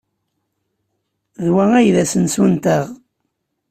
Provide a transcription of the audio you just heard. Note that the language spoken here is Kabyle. D wa ay d asensu-nteɣ?